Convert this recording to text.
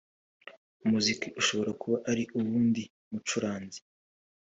“umuziki ushobora kuba ari uw’undi mucuranzi